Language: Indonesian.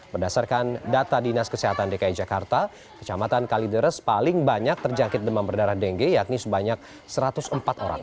berdasarkan data dinas kesehatan dki jakarta kecamatan kalideres paling banyak terjangkit demam berdarah dengue yakni sebanyak satu ratus empat orang